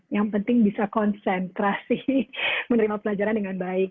yang penting bisa konsentrasi menerima pelajaran dengan baik